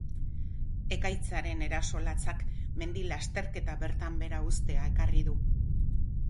Ekaitzaren eraso latzak mendi lasterketak bertan behera uztea ekarri du.